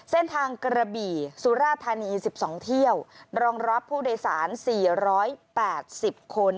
เส้นทางกระบี่สุราธานี๑๒เที่ยวรองรับผู้โดยสาร๔๘๐คน